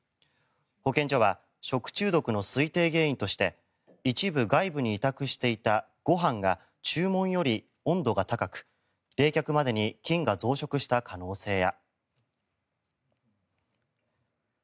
保健所は食中毒の推定原因として一部、外部に委託していたご飯が注文より温度が高く冷却までに菌が増殖した可能性や。